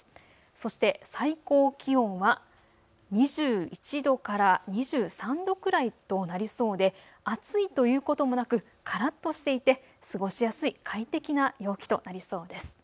そして最高気温は２１度から２３度くらいとなりそうで暑いということもなくからっとしていて過ごしやすい快適な陽気となりそうです。